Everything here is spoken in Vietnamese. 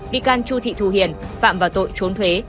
bị can chu thị thu hiền phạm vào tội trốn thuế